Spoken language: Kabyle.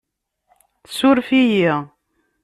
Surf-iyi